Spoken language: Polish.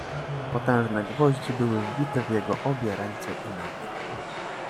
"Potężne gwoździe były wbite w jego obie ręce i nogi."